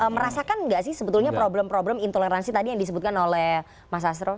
merasakan nggak sih sebetulnya problem problem intoleransi tadi yang disebutkan oleh mas asro